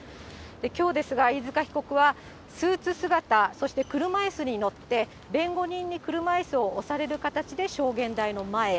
きょうですが、飯塚被告はスーツ姿、そして車いすに乗って、弁護人に車いすを押される形で証言台の前へ。